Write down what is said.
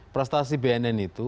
prestasi bnn itu